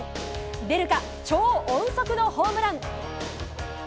出るか、超音速のホームラン。